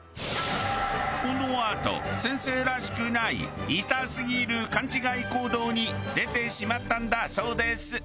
このあと先生らしくないイタすぎる勘違い行動に出てしまったんだそうです。